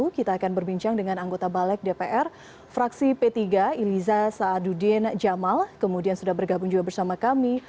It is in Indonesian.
kita akan berbincang dengan anggota balik dpr fraksi p tiga iliza saadudin jamal kemudian sudah bergabung juga bersama kami